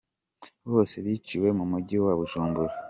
Bose biciwe mu mujyi wa Bujumbura.